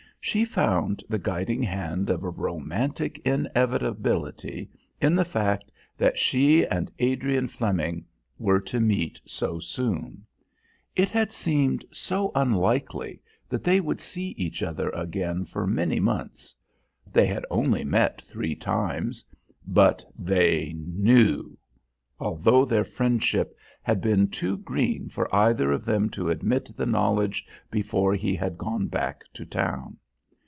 She found the guiding hand of a romantic inevitability in the fact that she and Adrian Flemming were to meet so soon. It had seemed so unlikely that they would see each other again for many months. They had only met three times; but they knew, although their friendship had been too green for either of them to admit the knowledge before he had gone back to town.